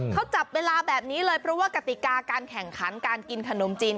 เขาจับเวลาแบบนี้เลยเพราะว่ากติกาการแข่งขันการกินขนมจีน